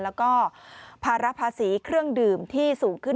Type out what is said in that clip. แล้วก็ภาระภาษีเครื่องดื่มที่สูงขึ้น